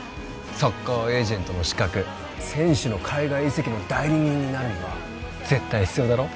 サッカーエージェントの資格選手の海外移籍の代理人になるには絶対必要だろ？